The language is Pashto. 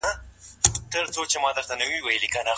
د ستونزې عوامل او حللارې له چا څخه وپوښتو؟